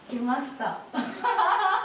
ハハハハ！